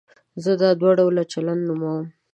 زه دا دوه ډوله چلند نوموم.